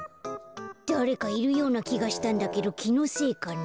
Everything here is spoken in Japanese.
だれかいるようなきがしたんだけどきのせいかな。